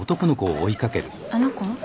あの子？